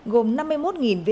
gồm năm mươi một viên hồng phí